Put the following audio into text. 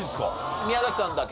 宮崎さんだけ？